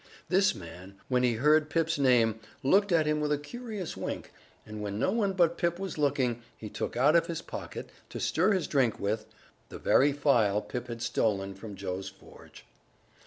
This man, when he heard Pip's name, looked at him with a curious wink, and when no one but Pip was looking he took out of his pocket, to stir his drink with, the very file Pip had stolen from Joe's forge.